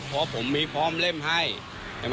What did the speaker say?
เพราะผมมีพร้อมเล่มให้ใช่ไหม